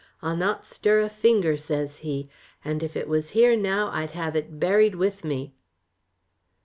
I'll not stir a finger,' says he, 'and if it was here now I'd have it buried with me.'